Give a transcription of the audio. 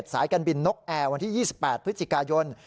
สายการบินนกแอร์วันที่๒๘พฤศจิกายน